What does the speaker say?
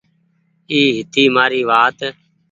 اي هيتي مآري وآت۔